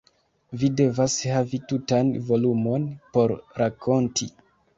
Vi devas havi tutan volumon por rakonti.